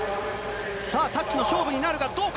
さあ、タッチの勝負になるかどうか。